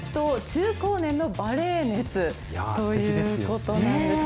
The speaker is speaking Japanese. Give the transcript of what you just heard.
中高年のバレエ熱ということなんです。